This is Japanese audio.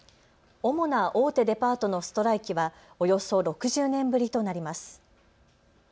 主な大手デパートのストライキはおよそ６０年ぶりとなります。